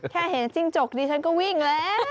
แค่เห็นจิ้งจกดิฉันก็วิ่งแล้ว